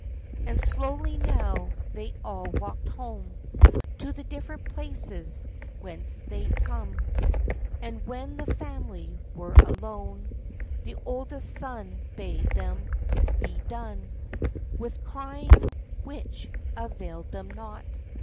And slowly now they all walked home To the different places whence they'd come. And when the family were alone, The oldest son bade them be done With crying, which availed them nought.